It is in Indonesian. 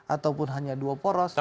ataupun hanya dua poros